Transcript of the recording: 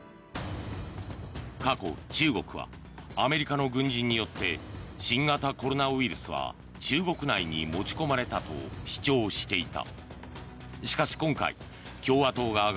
過去、中国はアメリカの軍人によって新型コロナウイルスは中国内に持ち込まれたと主張していた。